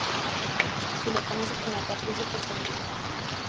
Se la conoce como "Patricia Castañeda".